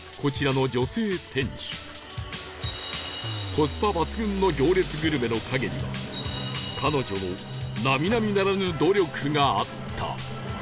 コスパ抜群の行列グルメの陰には彼女の並々ならぬ努力があった